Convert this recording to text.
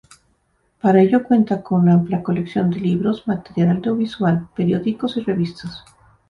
Para ello cuenta con una amplia colección de libros, material audiovisual, periódicos y revistas.